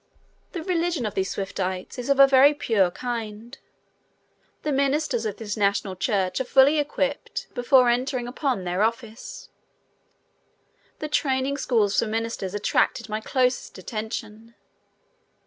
The religion of these Swiftites is of a very pure kind. The ministers of this national church are fully equipped before entering upon their office. The training schools for ministers attracted my closest attention.